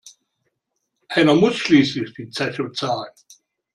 Einer muss schließlich die Zeche zahlen.